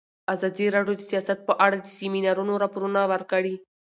ازادي راډیو د سیاست په اړه د سیمینارونو راپورونه ورکړي.